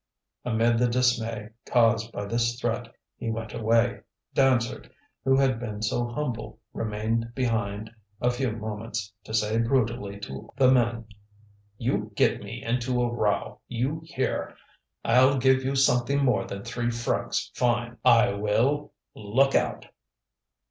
Amid the dismay caused by this threat he went away. Dansaert, who had been so humble, remained behind a few moments, to say brutally to the men: "You get me into a row, you here. I'll give you something more than three francs fine, I will. Look out!"